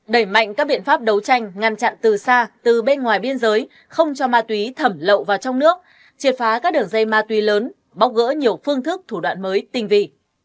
đẩy mạnh các biện pháp đấu tranh ngăn chặn từ xa từ bên ngoài biên giới không cho ma túy thẩm lậu vào trong nước triệt phá các đường dây ma túy lớn bóc gỡ nhiều phương thức thủ đoạn mới tình vị